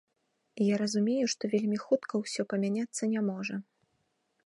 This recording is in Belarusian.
Я разумею, што вельмі хутка ўсё памяняцца не можа.